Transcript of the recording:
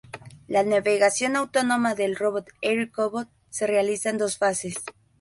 La navegación autónoma del robot Air-Cobot se realiza en dos fases.